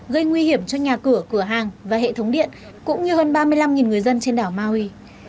gây nguy hiểm cho nhà cửa cửa hàng và hệ thống điện cũng như hơn ba mươi năm người dân trên đảo maui